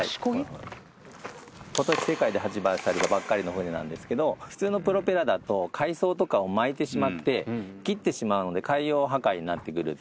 ことし世界で発売されたばっかりの船なんですけど普通のプロペラだと海藻とかを巻いてしまって切ってしまうので海洋破壊になってくる。